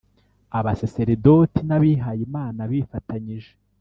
abasaserdoti n’abihayimana, bifatanyije